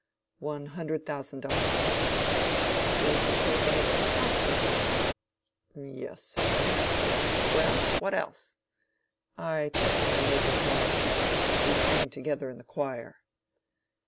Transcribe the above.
One hundred thousand dollars. Did you take anything else with you? Yes sir. Well, what else? I took my neighbor's wife we sang together in the choir.